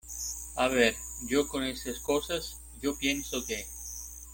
a ver, yo con estas cosas , yo pienso que